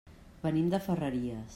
Venim de Ferreries.